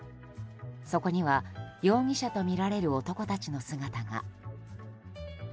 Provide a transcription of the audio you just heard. そこには容疑者とみられる男たちの姿が。